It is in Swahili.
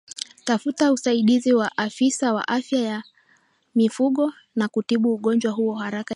Tafuta usaidizi wa Afisa wa Afya ya Mifugo na kutibu ugonjwa huo haraka iwezekanavyo